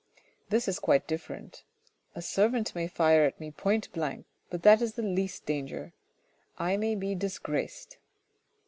This is quite different. A servant may fire at me point blank, but that is the least danger ; I may be disgraced.